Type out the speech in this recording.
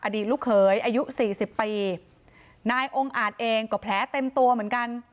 ลูกเขยอายุสี่สิบปีนายองค์อาจเองก็แผลเต็มตัวเหมือนกัน